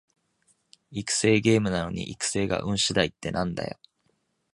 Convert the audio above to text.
育成ゲームなのに育成が運しだいってなんだよ